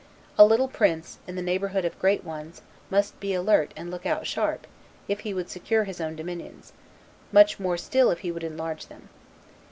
A little prince, in the neighborhood of great ones, must be alert and look out sharp, if he would secure his own dominions: much more still if he would enlarge them.